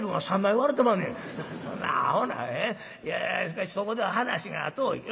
しかしそこでは話が遠い。